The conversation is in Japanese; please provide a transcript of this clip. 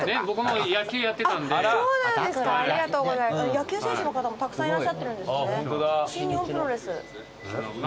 野球選手の方もたくさんいらっしゃってるんですね。